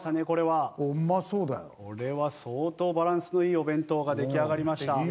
これは相当バランスのいいお弁当が出来上がりました。